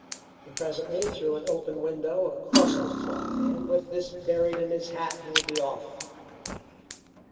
And presently through an open window a crust would fly, and with this buried in his hat he would be off.